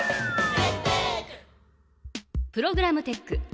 プログラムテック。